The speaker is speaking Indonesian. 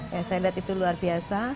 yang saya lihat itu luar biasa